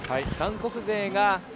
韓国勢が。